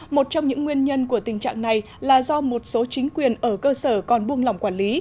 một trong những nguyên nhân của tình trạng này là do một số chính quyền ở cơ sở còn buông lỏng quản lý